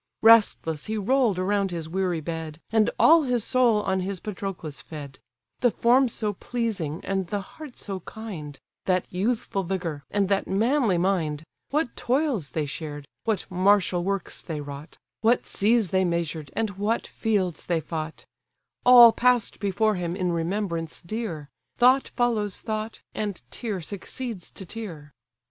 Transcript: Restless he roll'd around his weary bed, And all his soul on his Patroclus fed: The form so pleasing, and the heart so kind, That youthful vigour, and that manly mind, What toils they shared, what martial works they wrought, What seas they measured, and what fields they fought; All pass'd before him in remembrance dear, Thought follows thought, and tear succeeds to tear.